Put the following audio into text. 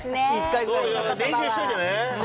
練習しといてね。